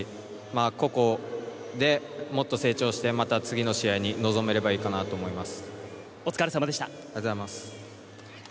個々でもっと成長して、また次の試合に臨めればいいかなと思います。